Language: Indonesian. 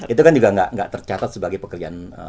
itu kan juga nggak tercatat sebagai pekerjaan